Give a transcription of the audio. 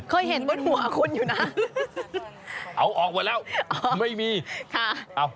เคยเห็นบนหัวคุณอยู่นะ